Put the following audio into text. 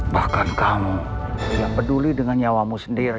bahkan kamu yang peduli dengan nyawamu sendiri